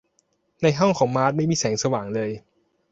ในห้องของมาร์ธไม่มีแสงสว่างเลย